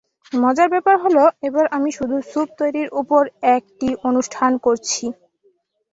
মজার ব্যাপার হলো, এবার আমি শুধু স্যুপ তৈরির ওপর একটি অনুষ্ঠান করছি।